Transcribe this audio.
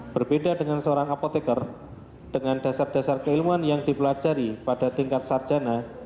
berbeda dengan seorang apotekar dengan dasar dasar keilmuan yang dipelajari pada tingkat sarjana